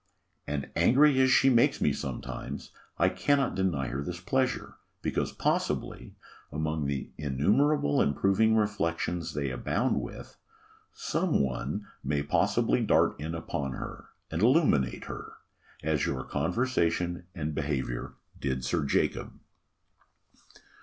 And, angry as she makes me some times, I cannot deny her this pleasure, because possibly, among the innumerable improving reflections they abound with, some one may possibly dart in upon her, and illuminate her, as your conversation and behaviour did Sir Jacob.